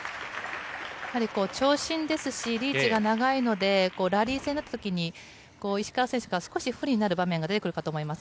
やはり長身ですし、リーチが長いので、ラリー戦になったときに、石川選手が少し不利になる場面が出てくるかと思います。